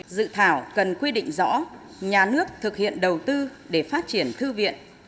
dự thảo cần quy định rõ nhà nước thực hiện đầu tư để phát triển thư viện